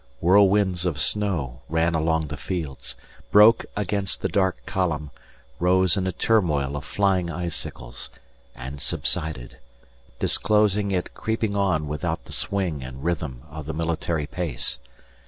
Whirlwinds of snow ran along the fields, broke against the dark column, rose in a turmoil of flying icicles, and subsided, disclosing it creeping on without the swing and rhythm of the military pace.